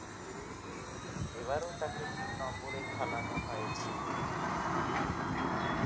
এবারও তাকে তিন নম্বরে খেলানো হয়েছিল।